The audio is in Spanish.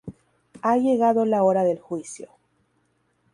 Ha llegado la hora del juicio.